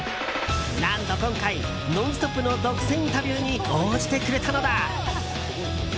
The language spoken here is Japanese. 何と今回、「ノンストップ！」の独占インタビューに応じてくれたのだ。